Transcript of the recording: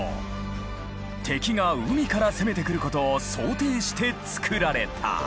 敵が海から攻めてくることを想定して造られた。